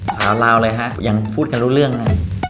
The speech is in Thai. ลาวเลยฮะยังพูดกันรู้เรื่องเลย